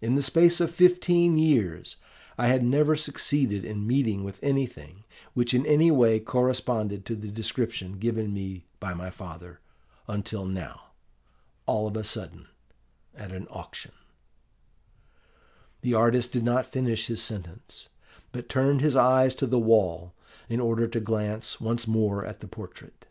In the space of fifteen years I had never succeeded in meeting with anything which in any way corresponded to the description given me by my father, until now, all of a sudden, at an auction " The artist did not finish his sentence, but turned his eyes to the wall in order to glance once more at the portrait.